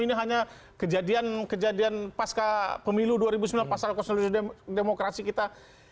ini hanya kejadian kejadian pasca pemilu dua ribu sembilan pasal konsolidasi demokrasi kita